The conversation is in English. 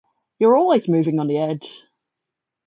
You're always movin' on the edge.